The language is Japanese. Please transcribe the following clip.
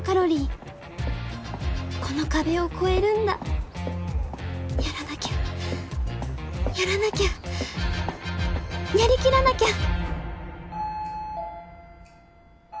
この壁を越えるんだやらなきゃやらなきゃやりきらなきゃ！